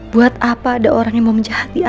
buat dia main jauh gak mungkin sampe sejauh ini